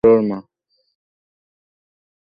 মাল খাই চলো।